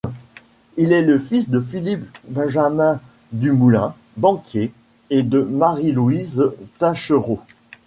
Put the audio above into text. Il est le fils de Philippe-Benjamin Dumoulin, banquier, et de Marie-Louise Taschereau.